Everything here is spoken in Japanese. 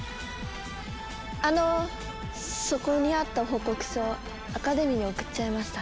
あのそこにあった報告書アカデミーに送っちゃいました。